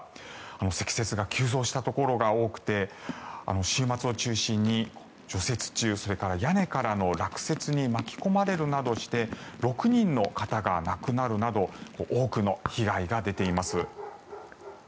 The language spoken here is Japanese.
積雪が急増したところが多くて週末を中心に除雪中それから屋根からの落雪に巻き込まれるなどして６人の方が亡くなるなど多くの被害が出ています。